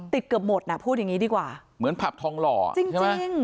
เกือบหมดน่ะพูดอย่างงี้ดีกว่าเหมือนผับทองหล่อจริงใช่ไหม